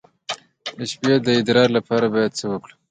د شپې د ادرار لپاره باید څه وکړم؟